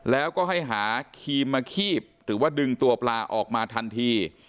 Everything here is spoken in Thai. แล้วก็ให้หาครีมมาคีบหรือว่าดึงตัวปลาออกมาทันที